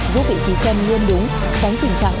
giúp vị trí chân luôn đúng tránh tình trạng